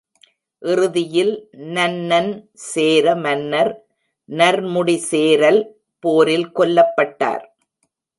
இறுதியில், "நன்னன்" சேர மன்னர் "நர்முடி சேரல்" போரில் கொல்லப்பட்டார்.